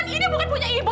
ini bukan punya ibu